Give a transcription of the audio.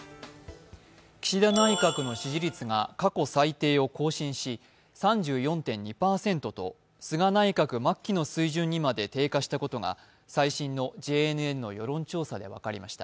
岸田内閣の支持率が過去最低を更新し、３４．２％と菅内閣末期の水準にまで低下したことが最新のＪＮＮの世論調査で分かりました。